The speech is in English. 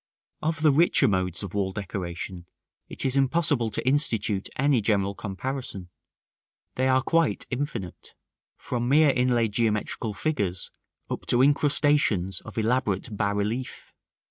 § VII. Of the richer modes of wall decoration it is impossible to institute any general comparison; they are quite infinite, from mere inlaid geometrical figures up to incrustations of elaborate bas relief.